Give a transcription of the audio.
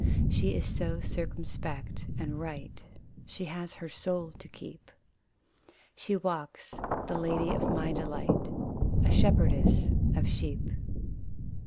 She is so circumspect and right; She has her soul to keep. She walks the lady of my delight A shepherdess of sheep.